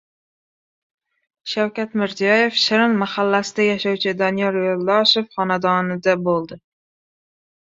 Shavkat Mirziyoyev “Shirin” mahallasida yashovchi Doniyor Yo‘ldoshev xonadonida bo‘ldi